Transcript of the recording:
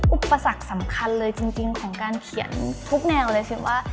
อุปสรรคสำคัญเลยจริงของการเขียนทุกแนวเลยคือว่า